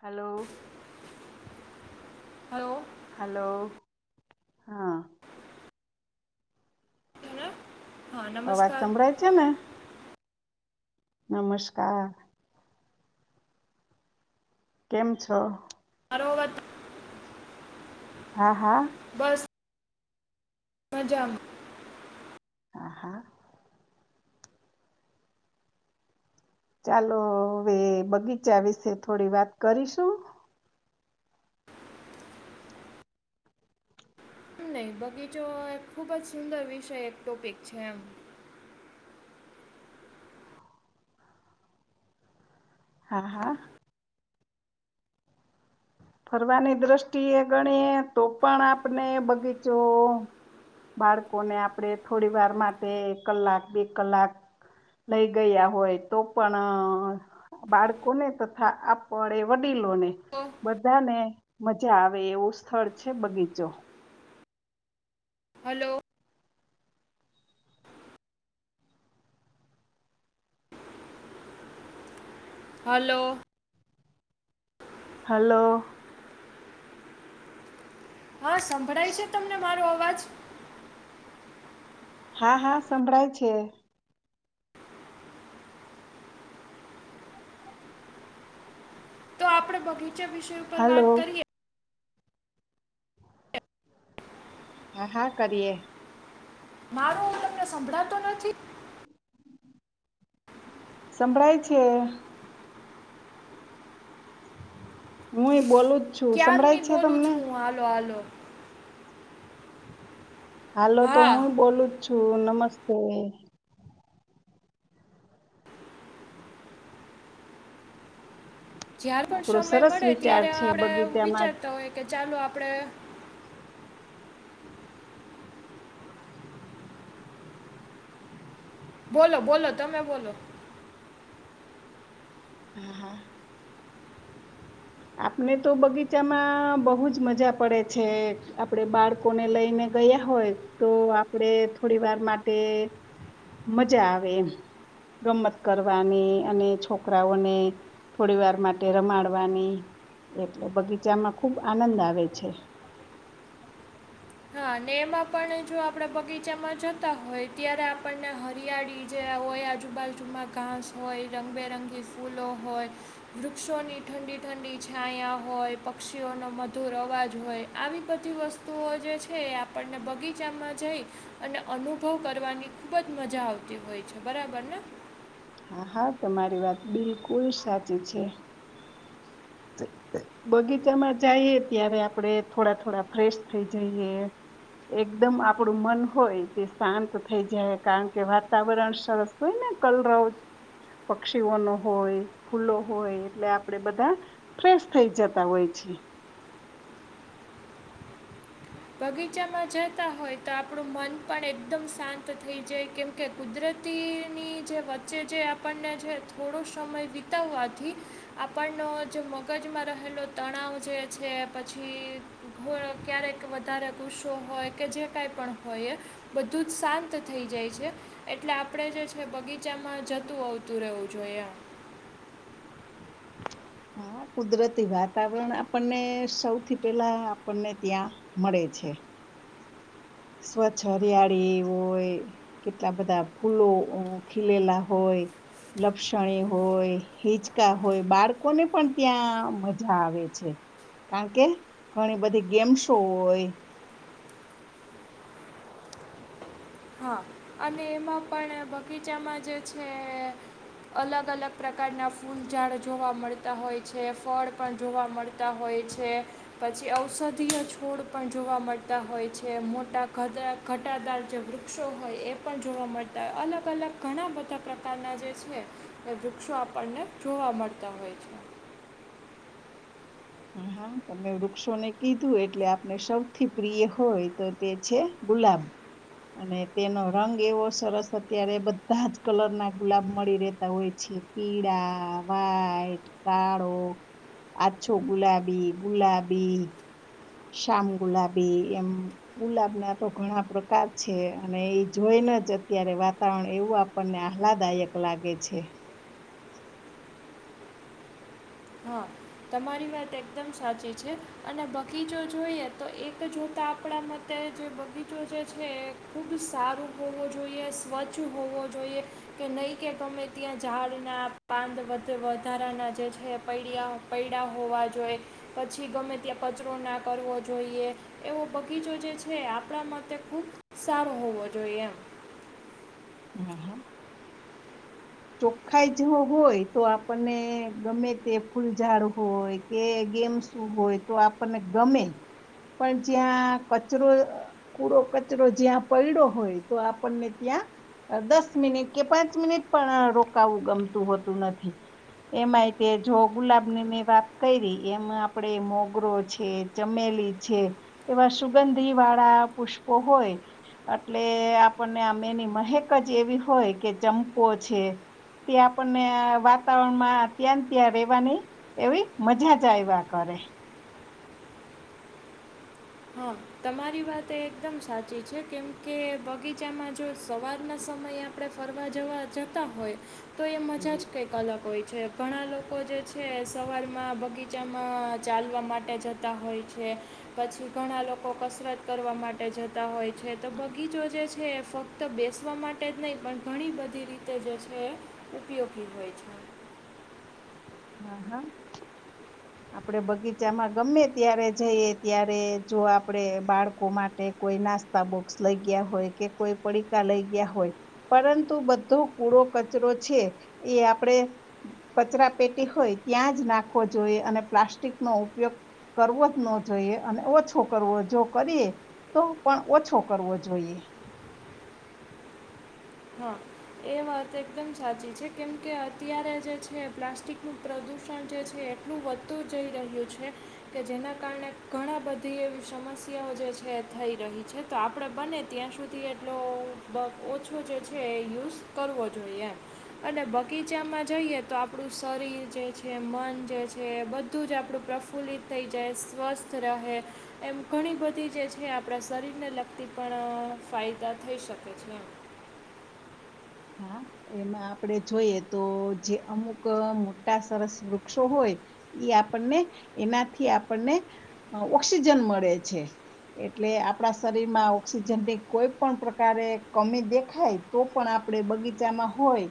Hello hello hello હા hello? હા અવાજ નમસ્કાર સંભળાય છે ને? નમસ્કાર કેમ છો? મારો અવાજ હા હા બસ મજ હા હા ચાલો હવે બગીચા વિશે થોડી વાત કરીશું? નહીં બગીચો એ ખુબ જ સુંદર વિષય એક ટોપિક છે એમ. હા હા ફરવાની દ્રષ્ટિએ ગણે તો પણ આપને બગીચો બાળકોને આપણે થોડી વાર માટે કલાક બે કલાક. લઈ ગયા હોય તો પણ બાળકોને તથા આપણે એ વડીલોને ઓફ બધાને મજા આવે એવું સ્થળ છે બગીચો હલો હલો હલો હા સંભળાય છે તમને મારો અવાજ હા હા સંભળાય છે તો આપડે બગીચા વિષય ઉપર હાલો વાત કરીએ હા હા કરીે મારો હું તમને સંભળાતો નથી સંભળાય છે હું એ બોલું જ છું સંભળાય છે તમને હાલ હાલો હાલો તો હા હું બોલું જ છું નમસ્તે જાર પણ આપડો સમય સરસ મળે વિચાર ત્યારે છે આપણે બગીચામાં વિચારતા હોઈ કે ચાલો આપણે બોલો બોલો તમે બોલો હા હા આપને તો બગીચામાં બહુ જ મજા પડે છે આપડે બાળ લોકોને લઈને ગયા હોય તો આપણે થોડી વાર માટે મજા આવે ગમત કરવાની અને છોકરાઓને થોડી વાર માટે રમાડવાની એટલે બગીચામાં ખુબ આનંદ આવે છે હા ને એમાં પણ જો આપણેે બગીચામાં જતા હોય ત્યારે આપણને વિયાળી જે હોય આજુબાજુમાં ઘાસ હોય રંગબેરંગી ફૂલો હોય વૃક્ષોની ઠંડી ઠંડી છાયા હોય પક્ષીઓનો મધુર અવાજ હોય આવી બધી વસ્તુ તો જે છે છે એ આપણને બગીચામાં જઈ અને અનુભવ કરવાની ખૂબ જ મજા આવતી હોય છે અચ્છા બરાબર હા હા તમારી વાત બિલકુલ સાચી છે બગીચામાં જઈએ ત્યારે આપણે થોડા થોડા ફ્રેશ થઈ જઈએ એકદમ આપડું મન હોય તે શાંત થઈ જાય કારણ કે વાતાવરણ સરસ હોય ને કલ રાત પક્ષીઓ ન હોય ફૂલો હોય એટલે આપણેે બધા ફ્રેશ થઈ જતા હોય છે બગીચામાં જતા હોય તો આપણું મન પણ એકદમ શાંત થઈ જાય કેમ કે કુદરતીની જે વચ્ચે જે આપણને જે થોડો સમય વિતાવવાથી આપણનો જે મગજમાં રહેલો તણાવ જે છે પછી ક્યારેક વધારે ગુસ્સો હોય કે જે કાંઈ પણ હોય એ બધું જ શાંત થઈ જાય છે એટલે આપણેે જે છે બગીચામાં જતું આવતું રહેવું જોઈએ હા કુદરતી વાતાવરણ આપણને સૌથી પહેલા આપણને ત્યાં મળે છે સ્વચ્છ હરિયાળી હોય કેટલા બધા ફૂલો ખીલેલા હોય લપસણીય હોય હિચકા હોય બાળકોને પણ ત્યાં મઝા આવે છે. કાણ કે ઘણી બધી ગેમ્સો હોય હા અને એમાં પણ બગીચામાં જે છે એ અલગ અલગ પ્રકારના ફૂલઝાડ જોવા મળતા હોય છે ફળ પણ જોવા મળ તા હોય છે. પછી ઔષધીય છોડ પણ જોવા મળતા હોય છે, મોટા ઘતરા ઘટાદાર જે વૃ વૃક્ષો હોય એ પણ જોવા મળતા હોય અલગ અલગ ઘણા બધા પ્રકારના જે છે. એ વૃક્ષો આપણને જોવા મળતા હોય છે. હા તમે વૃક્ષોને કીધું એટલે આપણે સૌથી પ્રિય હોય તો તે છે ગુલાબ અને તેનો રંગ એવો સરસ અત્યારે બધા જ કલર ના ગુલાબ મળી રહેેતા હોય છે. પીળાં વાઈટ કાળો આછ તો ગુલાબી ગુલાબી શામ ગુલાબી એમ ગુલાબ ના તો ઘણા પ્રકાર છે અને ઈ જોઈને જ અત્યારે વાતાવરણ એવું આપ આપનને આહલાદાયક લાગે છે. હા તમારી વાત એકદમ સાચી છે, અને બગીચો જોઈએ તો એક જોતા આપડા મત તેય જે બગીચો જે છે, એ ખૂબ સારું હોવો જોઈએ સ્વચ્છ હોવો જોઈએ કે નહીં કે ગમે ત્યાં ઝાડના પાંદ વધ વધારાના જે છે. પૈડ્યા પૈયડા હોવા જોઈએ પછી ગમે ત્યાં પચરો ના કરવો જોઈએ. એવો બગીચો જે છે, આપણા માતે ખુબ સારો હોવો જોઈએ એમ [unintelligible] ચોખ્ખાઈ જો હોય તો આપનને ગમે તે ફૂલઝાડ હોય કે ગેમ શું હોય તો આપને ગમે પણ જ્યાં કચરો કૂડો કચરો જ્યાં પયડો હોય તો આપણને ત્યાં દસ મિનિટ કે પાંચ મિનિટ પણ રોકાવું ગમતું હોતું નથી. એમાંય તે જો ગુલાબ ની મેં વાત કયરી એમાં આપડે મોગરો છે. ચમેલી છે, એવા સુગંધી વાળા પુષ્પો હોય અટલે આપણને આ મેની મહેક જ એવી હોય કે ચંપો છે. તે આપનને વાતાવરણ માં ત્યાંન ત્યાં રેવાની એવી મઝા જ આહવા કરે હા તમારી વાત એકદમ સાચી છે, કેમકે બગીચામાં જો સવારના સમયે આમ આપડે ફરવા જવા જતા હોય તો એ મજા જ કઈ અલગ હોય છે, ઘણા લોકો જે છે, એ સવારમાં બગીચામાં ચાલવા માટે જત તા હોય છે, પછી ઘણા લોકો કસરત કરવા માટે જતા હોય છે. તો બગીચો જે છે, એ ફક ત બેસવા માટે જ નય પણ ઘણી બધી રીતે જે છે, એ ઉપયોગી હોય છે. હા હા આપડે બગીચામાં ગમે ત્યારે જઈએ ત્યારે જો આપડે બાળકો માટે કોઈ નાસ તા બોક્સ લઈ ગયા હોય કે કોઈ પડીકા લઈ ગયા હોય પરંતુ બધો કુડો કચરો છે, એ આપડે કચરા પેટી હોય ત્યાં જ નાખવો જોઈએ અને પ્લાસ્ટિક નો ઉપયોગ કરવો ત નો જોઈએ અને ઓછો કરવો જો કરીએ તો પણ ઓછો કરવો જોઈએ. હા એ વાત એકદમ સાચી છે, કેમ કે અત્યારે જે છે, પ્લાસ્ટિકનું પ્રદૂષણ જે છે, એ ટલું વધતું જઈ રહ્યું છે, કે જેના કારણે ઘણા બધી એવી સમસ્યાઓ જે છે થઈ રહી છે, તો આપડે બને ત્યાં સુધી એટલો બગ ઓછો જે છે. હે યુસ કરવો જોઈએ એમ અને બગીચામાં જઈએ તો આપણું શરીર જે છે મન જે છે, બધું તું જ આપણું પ્રફુલ્લિત થઈ જાય સ્વસ્થ રહે એમ ઘણી બધી જે છે, આપણા શરીરને લગતી પણ ફાયદા થઈ શકે છે, એમ હા એમાં આપડે જોઈએ તો જે અમુક મોટા સરસ વૃક્ષો હોય એ આપણને એનાથી આપણને ઓક્સિજન મળે છે એટલે આપણા શરીરમાં ઓક્સિજન ની કોઈ પણ પ્રકારે કમી દેખાય તો પણ આપડે બગીચામાં હોય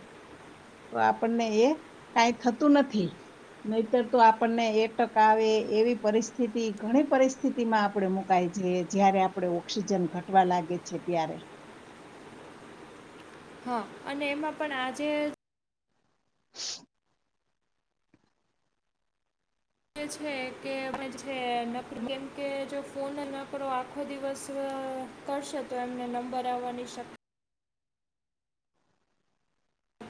તો આપણને એ કઈ થતું નથી નહીતર તો આપણને એક ટક આવે એવી પરિસ્થિતિ ઘણી પરિસ્થિત સ્થિતિમાં આપડે મુકઈ જઈએ જયારે આપડણે ઓક્સિજન ઘટવા લાગે છે ત્યારે હા અને એમાં પણ આજે હ છે કે અમે છે કેમ કે જો ફોન ન કરો આખો દિવસ કરશે તો એમને નંબર આવવાની શક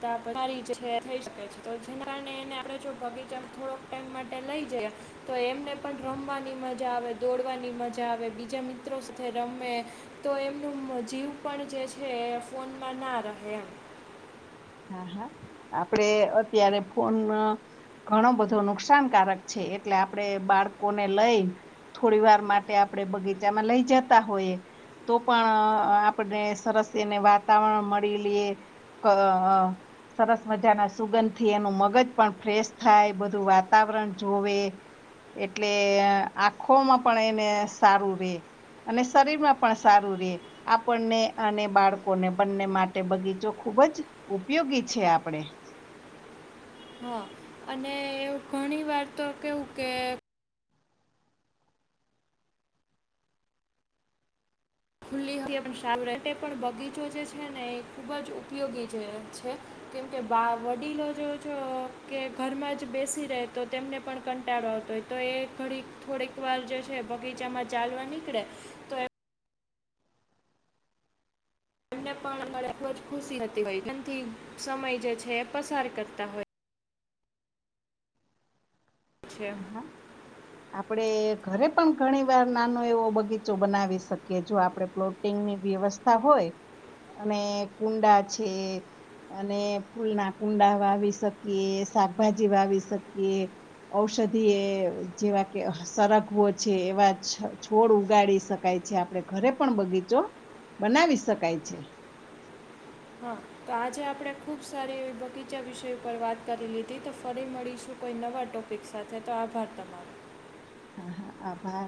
થઈ શ છે તો જેના કારણેને આપ જો બગીચા થોડો ટાઈમ માટે લઈ જયા તો એમને પણ રમવાની મજા આવે દોડવાની મજા આવે બીજા મ મિતો સાથે રમે તો એમનું જીવ પણ જે છે એ ફોનમાં ના રહે એમ હા હા આપડે અત્યારે ફોન ઘણો બધો નુકસાનકારક છે એટલે આપડે બાળકોને લઈ થોડી વાર માટે આપણેે બગીચામાં લઈ જતા હોઈએ તો પણ આપને સરસ એને વાતાવરણ મળી લઈએ હા સરસ મજાના સુગંધ થી એનું મગજ પણ ફ્રેશ થાય બધું વાતાવરણ જોવે એટલે આખોમાં પણ એને સારું રે અને શરીરમાં પણ સારું રે આપણને અને બાળકોને બંને માટે બગીચો ખૂબ જ ઉપયોગી છે આપડે હા અને એ ઘણી વાર તો કેવું કે ખુલ્લી સા તે પણ બગીચો જે છે ને એ ખુબ જ ઉપયોગી જે છે કેમકે વડીલો જો છો કે ઘરમાં જ બેસી રહે તો તેમને પણ કંટાળોતો તો એ ઘડી થોડીક વાર જે છે બગીચામાં ચાલવા નીકળે તો એમને પણ ખુબ ખુશી હોયથી સમય જે છે એ પસાર કરતા હોય છે હ હા આપડે ઘરે પણ ઘણી વાર નાનો એવો બગીચો બનાવી શકીએ જો આપડે પ્લોટ કિંગ ની વ્યવસ્થા હોય અને કુંડા છે અને ફૂલ ના કુંડા વાવી શકીએ શાકભાજી વાવી શકીએ ઔષધિ એ જેવા કે સરગવો છે એવા છોડ ઉગાડી શકે શકાય છે આપડણે ઘરે પણ બગીચો બનાવી શકાય છે હા તો આજે આપણે ખૂબ સારી એવી બગીચા વિષય ઉપર વાત કરેલીીધી તો ફરી મળીશું કોઈ નવા ટોપિક સાથે તો આભાર તમારો હા હા આભાર